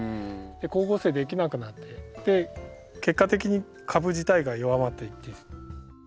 光合成できなくなって結果的に株自体が弱まっていって。